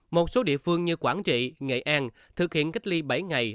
một số địa phương như quảng trị nghệ an thực hiện cách ly bảy ngày